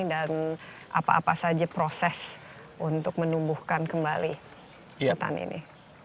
dan apa apa saja proses untuk menumbuhkan kembali hutan ini